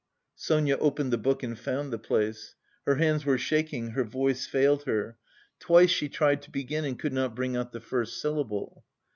Sonia opened the book and found the place. Her hands were shaking, her voice failed her. Twice she tried to begin and could not bring out the first syllable.